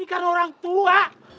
ini kan orang tua